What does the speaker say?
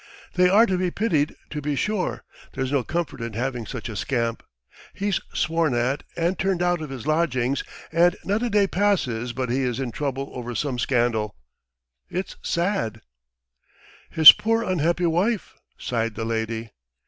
"They are to be pitied, to be sure! There's no comfort in having such a scamp! He's sworn at and turned out of his lodgings, and not a day passes but he is in trouble over some scandal. It's sad!" "His poor unhappy wife!" sighed the lady.